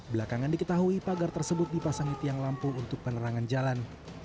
belakangan diketahui pagar tersebut dipasangi tiang lampu untuk penerangan jalan